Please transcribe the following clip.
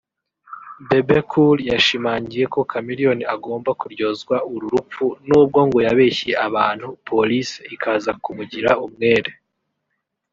Bebe Cool yashimangiye ko Chameleone agomba kuryozwa uru rupfu n’ubwo ngo yabeshye abantu Police ikaza kumugira umwere